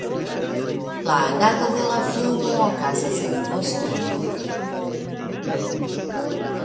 La agado de la filmo okazas en Bostono.